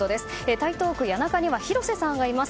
台東区谷中には広瀬さんがいます。